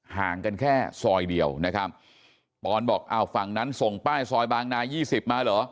ห่างกันแค่ซอยเดียวนะครับปอนบอกอ้าวฝั่งนั้นส่งป้ายซอยบางนา๒๐มาเหรอ